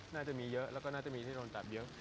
น่าจะมีเยอะแล้วก็น่าจะมีที่โดนตัดเยอะ